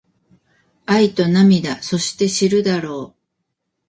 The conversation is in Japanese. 愛と涙そして知るだろう